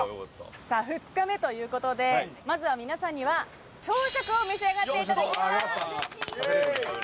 さあ２日目ということでまずは皆さんには朝食を召し上がっていただきます。